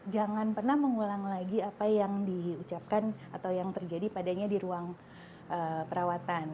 jangan pernah mengulang lagi apa yang diucapkan atau yang terjadi padanya di ruang perawatan